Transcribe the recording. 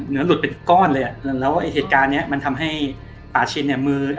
เนื้อลุดเป็นก้อนเลยแล้วเหตุการณ์นี้มันทำให้ปาชินมือ